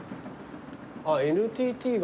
あっＮＴＴが。